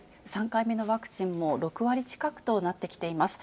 ３回目のワクチンも６割近くとなってきています。